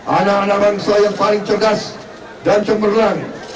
anak anak bangsa yang paling cerdas dan cemerlang